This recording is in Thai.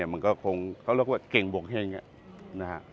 มันก็คงเขาเรียกว่าเก่งบกแห่ง